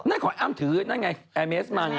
นั่นของอ้ำถือนั่นไงแอร์เมสมาไง